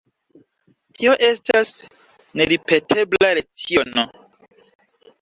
Tio estas neripetebla leciono.